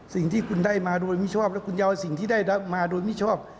สิ่งที่คุณได้มาโดยไม่ชอบและคุณยอดสิ่งที่ได้มาโดยไม่ชอบ